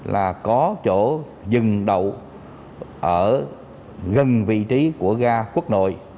là có chỗ dừng đậu ở gần vị trí của ga quốc nội